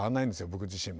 僕自身も。